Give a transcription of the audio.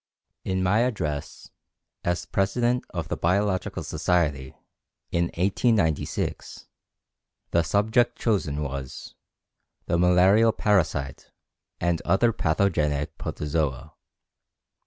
] In my address as President of the Biological Society, in 1896, the subject chosen was "The Malarial Parasite and Other Pathogenic Protozoa."